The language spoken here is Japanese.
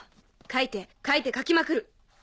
描いて描いて描きまくる！